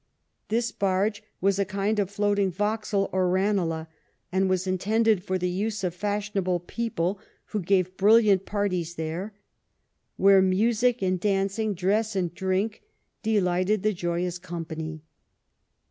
This barge was a kind of floating Vauxhall or Eane lagh, and was intended for the use of fashionable people, who gave brilliant parties there, where music and dancing, dress and drink, delighted the joyous company.